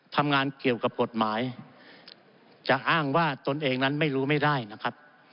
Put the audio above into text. ทำงานเกี่ยวกับกฎหมายจะอ้างว่าตนเองนั้นไม่รู้ไม่ได้นะครับ